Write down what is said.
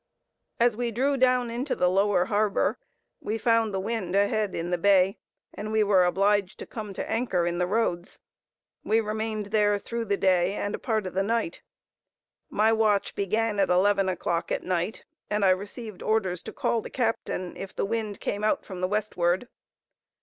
As we drew down into the lower harbor, we found the wind ahead in the bay, and we were obliged to come to anchor in the roads. We remained there through the day and a part of the night. My watch began at eleven o'clock at night, and I received orders to call the captain if the wind came out from the westward.